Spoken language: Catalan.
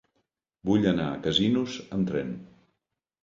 Vull anar a Casinos amb tren.